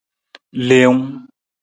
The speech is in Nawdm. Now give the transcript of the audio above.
Leewun.